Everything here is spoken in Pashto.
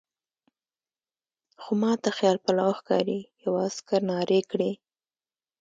خو ما ته خیال پلو ښکاري، یوه عسکر نارې کړې.